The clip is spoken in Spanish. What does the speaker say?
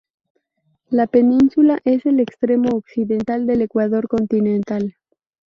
La península es el extremo occidental del Ecuador continental.